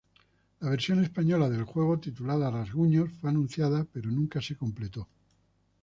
La versión española del juego, titulada "Rasguños" fue anunciada, pero nunca se completó.